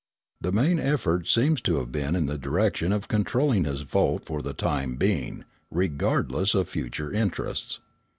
The main effort seems to have been in the direction of controlling his vote for the time being, regardless of future interests.